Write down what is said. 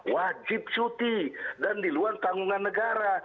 wajib cuti dan diluan tanggungan negara